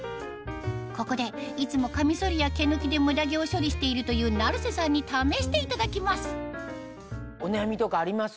ここでいつもカミソリや毛抜きでムダ毛を処理しているという成瀬さんに試していただきますお悩みとかあります？